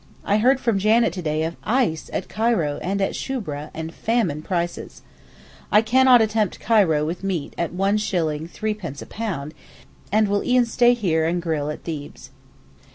I heard from Janet to day of ice at Cairo and at Shoubra, and famine prices. I cannot attempt Cairo with meat at 1s. 3d. a pound, and will e'en stay here and grill at Thebes.